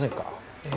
ええ。